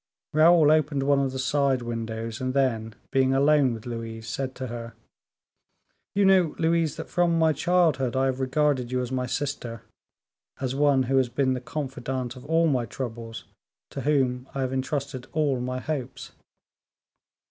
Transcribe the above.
Raoul opened one of the side windows, and then, being alone with Louise, said to her: "You know, Louise, that from my childhood I have regarded you as my sister, as one who has been the confidante of all my troubles, to whom I have entrusted all my hopes."